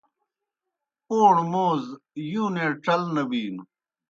پَوݨوْ موز یُونے ڇل نہ بِینوْ۔